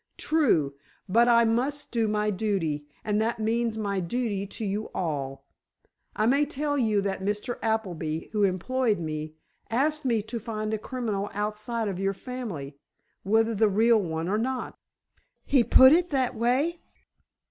True, but I must do my duty—and that means my duty to you all. I may tell you that Mr. Appleby, who employed me, asked me to find a criminal outside of your family, whether the real one or not." "He put it that way!"